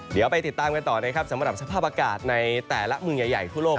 เดี๋ยวไปติดตามกันต่อนะครับสำหรับสภาพอากาศในแต่ละเมืองใหญ่ทั่วโลก